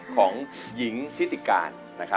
ของหญิงทิศกาล